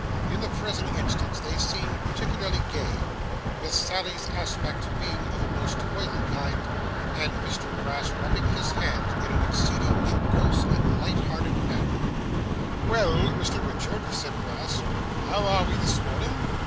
In the present instance, they seemed particularly gay; Miss Sally's aspect being of a most oily kind, and Mr Brass rubbing his hands in an exceedingly jocose and light hearted manner. 'Well, Mr Richard,' said Brass. 'How are we this morning?